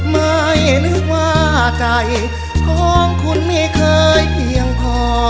ไม่นึกว่าใจของคุณไม่เคยเพียงพอ